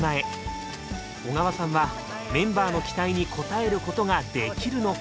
小川さんはメンバーの期待に応えることができるのか？